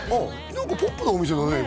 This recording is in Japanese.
何かポップなお店だね